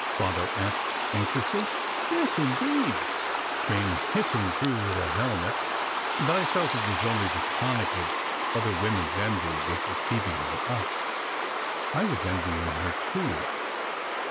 Father asked anxiously. "Yes, indeed!" came hissing through the helmet. But I felt it was only the tonic of other women s envy which was keeping her up. I was envying her, too.